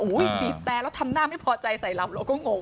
บีบแต่แล้วทำหน้าไม่พอใจใส่เราเราก็งง